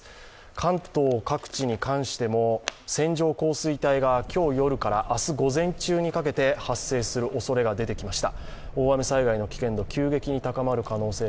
関東各地に関しても線状降水帯が今日夜から明日午前中にかけて発生するおそれが出てきました。